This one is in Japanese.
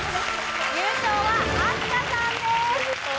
優勝はあすかさんです。